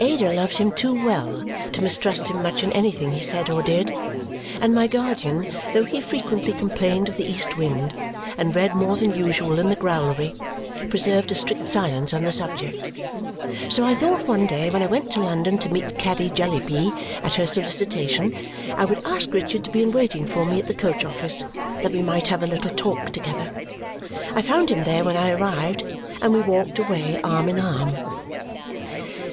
Ada loved him too well to mistrust him much in anything he said or did, and my guardian, though he frequently complained of the east wind and read more than usual in the growlery, preserved a strict silence on the subject. So I thought one day when I went to London to meet Caddy Jellyby, at her solicitation, I would ask Richard to be in waiting for me at the coach office, that we might have a little talk together. I found him there when I arrived, and we walked away arm in arm.